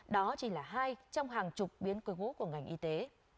đó chỉ là hai trong hàng chục biến côi ngũ của ngành y tế